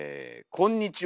こんにちは。